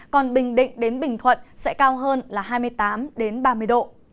còn bình định đến bình thuận sẽ cao hơn là hai mươi tám ba mươi độ